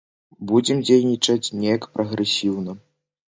Будзем дзейнічаць неяк прагрэсіўна.